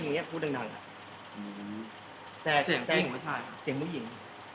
ไม่เหมือนกับผู้หญิง